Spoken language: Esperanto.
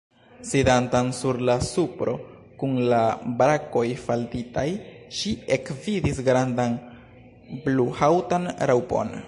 Sidantan sur la supro, kun la brakoj falditaj, ŝi ekvidis grandan bluhaŭtan raŭpon.